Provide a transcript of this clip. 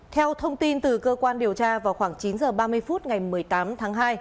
theo thông tin từ cơ quan điều tra vào khoảng chín h ba mươi phút ngày một mươi tám tháng hai